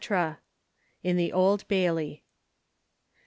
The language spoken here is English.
IN THE OLD BAILEY.